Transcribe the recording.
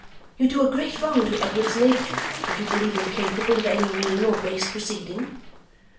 You do a great wrong to Edward's nature if you believe him capable of any mean or base proceeding.